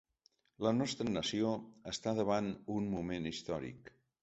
La nostra nació està davant un moment històric.